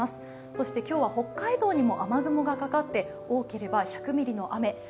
そして今日は北海道にも雨雲がかかって多ければ１００ミリの雨。